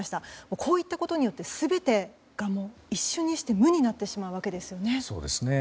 こういったことによって全てが一瞬にして無になってしまうわけですね。